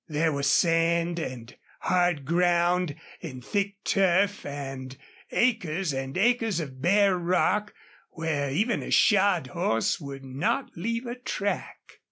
There were sand and hard ground and thick turf and acres and acres of bare rock where even a shod horse would not leave a track.